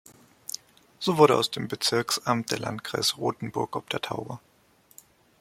So wurde aus dem Bezirksamt der Landkreis Rothenburg ob der Tauber.